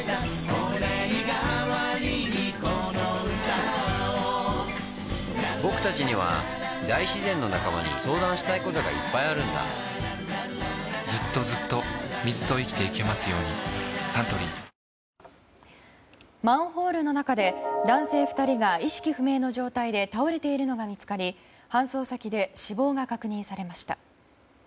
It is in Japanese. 御礼がわりにこの歌をぼくたちには大自然の仲間に相談したいことがいっぱいあるんだずっとずっと水と生きてゆけますようにサントリーマンホールの中で男性２人が意識不明の状態で倒れているのが見つかり搬送先で死亡が確認されました。